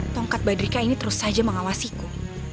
tongkat badrika ini terus saja mengawasiku